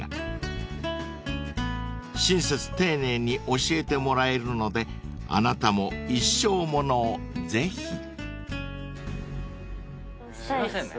［親切丁寧に教えてもらえるのであなたも一生物をぜひ］すいませんね。